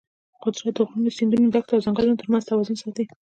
قدرت د غرونو، سیندونو، دښتو او ځنګلونو ترمنځ توازن ساتي.